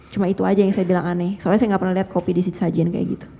cuma itu aja yang saya bilang aneh soalnya saya gak pernah lihat kopi disajikan kayak gitu